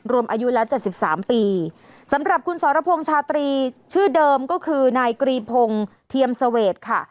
รวมอายุแล้วเจ็ดสิบสามปีสำหรับคุณสรพงษ์ชาตรีชื่อเดิมก็คือนายกรีพงศ์เทียมเสวดค่ะ